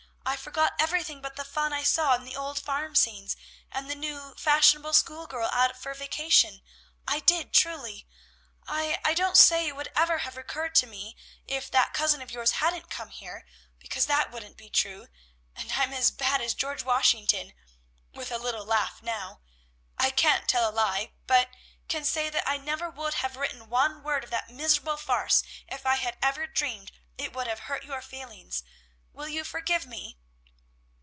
I forgot everything but the fun I saw in the old farm scenes, and the new fashionable school girl out for a vacation; I did truly. I I don't say it would ever have occurred to me if that cousin of yours hadn't come here, because that wouldn't be true, and I'm as bad as George Washington" (with a little laugh now), "I can't tell a lie; but can say that I never would have written one word of that miserable farce if I had ever dreamed it would have hurt your feelings: will you forgive me?"